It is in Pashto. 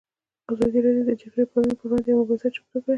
ازادي راډیو د د جګړې راپورونه پر وړاندې یوه مباحثه چمتو کړې.